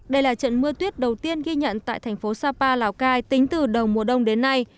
đây là trận mưa tuyết đầu tiên ghi nhận tại thành phố sapa lào cai tính từ đầu mùa đông đến nay